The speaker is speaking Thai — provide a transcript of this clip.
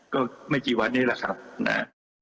ก็ไม่กี่วันนี้แหละครับนะฮะ